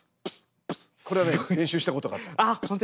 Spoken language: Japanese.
これはね練習したことがあった。